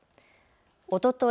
おととい